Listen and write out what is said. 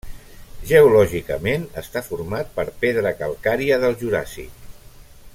Geològicament està format per pedra calcària del Juràssic.